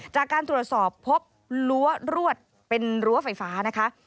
จากการตรวจสอบพบรั้วรวดเป็นรั้วไฟฟ้านะคะ